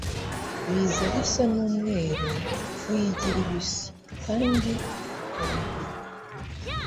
biza bisa umweru w'igi ribisi kandi rukarenduka.